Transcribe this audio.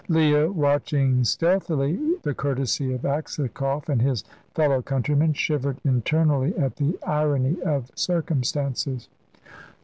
Leah, watching stealthily the courtesy of Aksakoff and his fellow countryman, shivered internally at the irony of circumstances.